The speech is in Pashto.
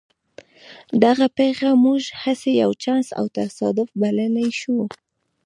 دغه پېښه موږ هسې یو چانس او تصادف بللای شو